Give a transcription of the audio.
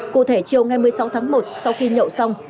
cụ thể chiều ngày một mươi sáu tháng một sau khi nhậu xong